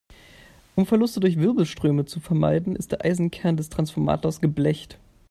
Um Verluste durch Wirbelströme zu vermeiden, ist der Eisenkern des Transformators geblecht.